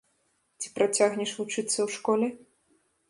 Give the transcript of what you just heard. Ці працягнеш вучыцца ў школе?